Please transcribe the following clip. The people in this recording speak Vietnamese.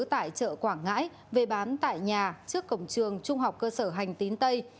tại chợ quảng ngãi về bán tại nhà trước cổng trường trung học cơ sở hành tín tây